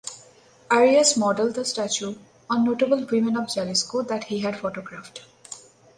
Arias modelled the statue on notable women of Jalisco that he had photographed.